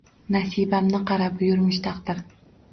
Nasibamni qara, buyurmish taqdir